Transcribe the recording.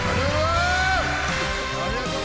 ありがとう！